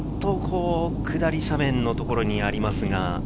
下り斜面のところにありますが。